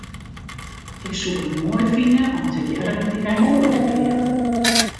Ik soe it moai fine om tegearre in wykein fuort te gean.